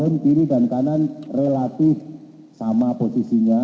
lem kiri dan kanan relatif sama posisinya